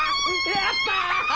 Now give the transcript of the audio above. やった！